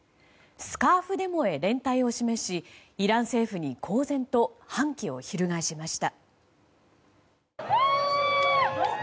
スカーフデモへ連帯を示しイラン政府に公然と反旗を翻しました。